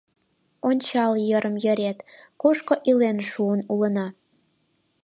Ончал йырым-йырет, кушко илен шуын улына?